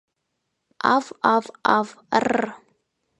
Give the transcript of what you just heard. Ав, ав, ав, ррр...